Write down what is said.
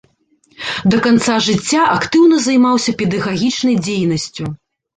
Да канца жыцця актыўна займаўся педагагічнай дзейнасцю.